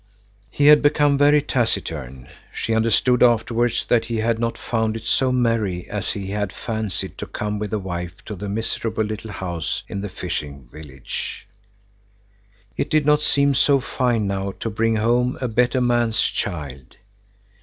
He had become very taciturn. She understood afterwards that he had not found it so merry as he had fancied, to come with a wife to the miserable little house in the fishing village. It did not seem so fine now to bring home a better man's child.